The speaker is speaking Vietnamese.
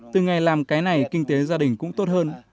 từ ngày làm cái này kinh tế gia đình cũng tốt hơn